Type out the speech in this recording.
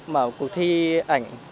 mở cuộc thi ảnh